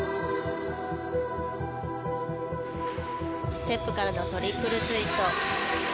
ステップからのトリプルツイスト。